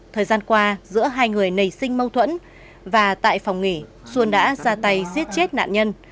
thời gian qua giữa hai người nảy sinh mâu thuẫn và tại phòng nghỉ xuân đã ra tay giết chết nạn nhân